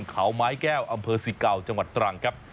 เขาไม้แก้วอำเภอสิเก่าจังหวัดตรังครับ